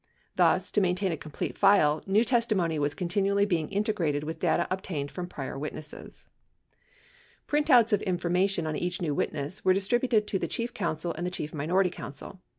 Thus, to maintain a complete file, new testimony was continually being integrated with data obtained from prior witnesses. 1002 Printouts of information on each new witness were distributed to the Chief Counsel and Chief Minority Counsel.